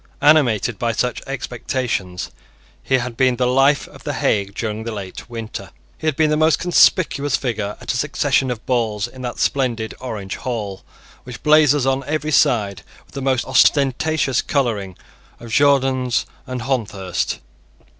Animated by such expectations he had been the life of the Hague during the late winter. He had been the most conspicuous figure at a succession of balls in that splendid Orange Hall, which blazes on every side with the most ostentatious colouring of Jordæns and Hondthorst.